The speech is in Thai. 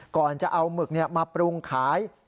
ก่อนจะเอาหมึกมาปรุงขาย